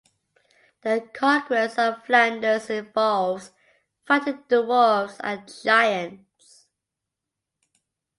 The conquest of Flanders involves fighting dwarfs and giants.